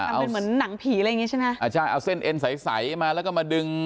มันเป็นเหมือนหนังผีอะไรอย่างงี้ใช่ไหมอ่าใช่เอาเส้นเอ็นใสใสมาแล้วก็มาดึง